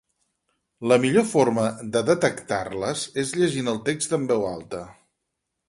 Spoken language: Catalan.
La millor forma de detectar-les és llegint el text en veu alta.